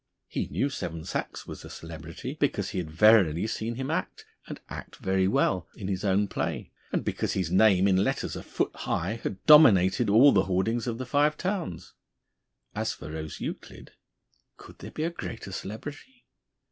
He knew Seven Sachs was a celebrity because he had verily seen him act and act very well in his own play, and because his name in letters a foot high had dominated all the hoardings of the Five Towns. As for Rose Euclid, could there be a greater celebrity?